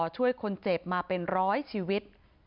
ช่วยคนเจ็บมาเป็นร้อยชีวิต